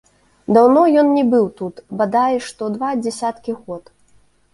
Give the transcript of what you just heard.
Даўно ён не быў тут, бадай што два дзесяткі год.